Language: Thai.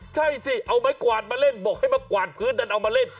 ใช่สิเอาไม้กวาดมาเล่นบอกให้มากวาดพื้นดันเอามาเล่น